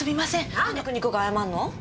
なんで国子が謝んの？